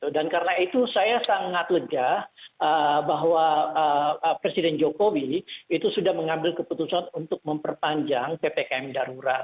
dan karena itu saya sangat lejah bahwa presiden jokowi itu sudah mengambil keputusan untuk memperpanjang ptkm darurat